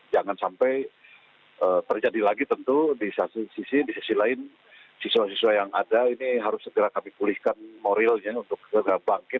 jangan sampai terjadi lagi tentu di sisi lain siswa siswa yang ada ini harus segera kami pulihkan moralnya untuk segera bangkit